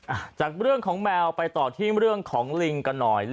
จากเรื่องของแมวไปต่อที่เรื่องของลิงกันหน่อย